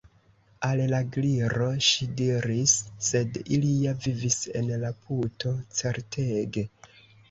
Al la Gliro ŝi diris: "Sed ili ja vivis en la puto. Certege! »